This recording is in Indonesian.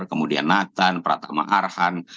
kemudian nathan pratama arhan